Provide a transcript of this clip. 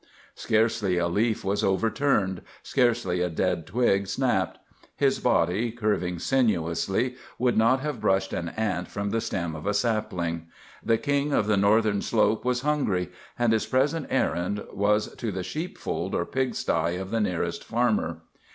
Scarcely a leaf was overturned, scarcely a dead twig snapped. His body, curving sinuously, would not have brushed an ant from the stem of a sapling. The King of the Northern Slope was hungry, and his present errand was to the sheepfold or pigsty of the nearest farmer.